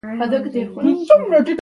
هغه وخت چې خوشاله یې مه غواړه.